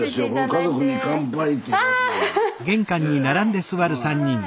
「家族に乾杯」っていうやつで。